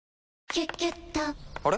「キュキュット」から！